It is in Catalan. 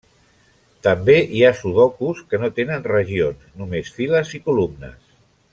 També hi ha sudokus que no tenen regions: només files i columnes.